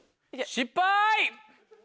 失敗！